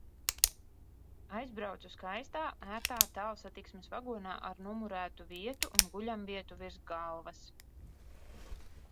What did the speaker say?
Aizbraucu skaistā, ērtā tālsatiksmes vagonā ar numurētu vietu un guļamvietu virs galvas.